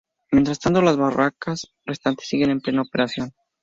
Mientras tanto, las "barracas" restantes siguen en plena operación.